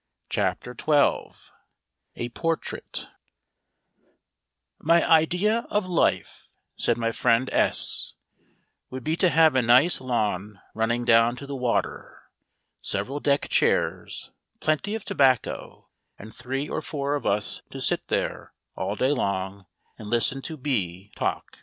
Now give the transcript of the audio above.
A PORTRAIT "My idea of life," said my friend S , "would be to have a nice lawn running down to the water, several deck chairs, plenty of tobacco, and three or four of us to sit there all day long and listen to B talk."